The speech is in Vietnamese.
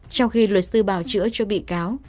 trong khi luật sư bảo chữa cho bị cáo